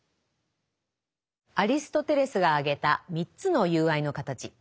アリストテレスが挙げた３つの友愛の形。